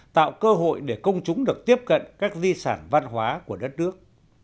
tạo cơ hội để công chúng được tiếp cận các di sản văn hóa của đất nước